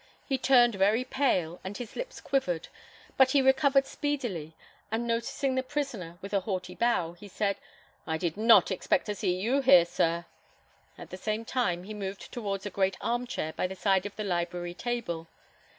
He turned very pale, and his lip quivered; but he recovered speedily, and noticing the prisoner with a haughty bow, he said, "I did not expect to see you here, sir." At the same time, he moved towards a great arm chair, by the side of the library table.